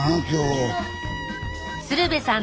鶴瓶さん